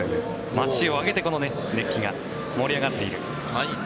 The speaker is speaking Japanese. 街を挙げて熱気が、盛り上がっている。